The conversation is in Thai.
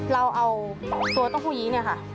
เราเอาตัวเต้าหู้ยี้เนี่ยค่ะ